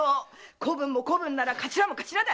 子分も子分なら頭も頭だ。